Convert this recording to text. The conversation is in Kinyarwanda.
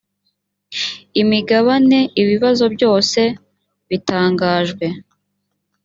imigabane ibibazo byose bitangajwe